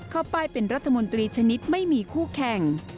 เข้าป้ายเป็นรัฐมนตรีชนิดไม่มีคู่แข่ง